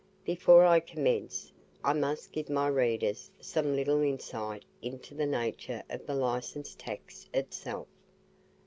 Before I commence, I must give my readers some little insight into the nature of the licence tax itself.